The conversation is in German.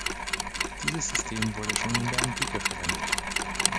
Dieses System wurde schon in der Antike verwendet.